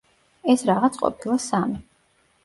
ეს რაღაც ყოფილა სამი.